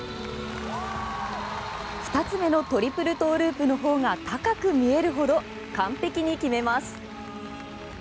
２つ目のトリプルトウループのほうが高く見えるほど完璧に決めます。